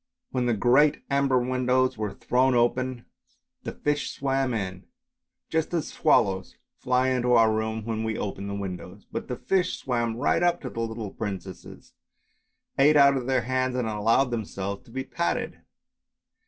When the great amber windows were thrown open the fish swam in, 2 ANDERSEN'S FAIRY TALES just as the swallows fly into our rooms when we open the windows, but the fish swam right up to the little princesses, ate out of their hands, and allowed themselves to be patted.